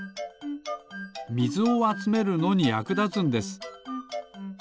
みずをあつめるのにやくだつんです。